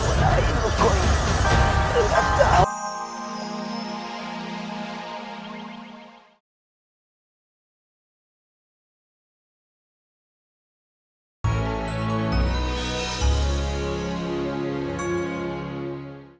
kau seperti bayi yang baru belajar merangkak